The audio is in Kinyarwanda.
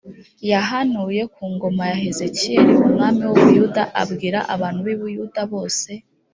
yahanuye ku ngoma ya hezekiya umwami w u buyuda abwira abantu bi buyuda bose